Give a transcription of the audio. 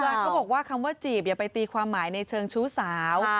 เขาบอกว่าคำว่าจีบอย่าไปตีความหมายในเชิงชู้สาว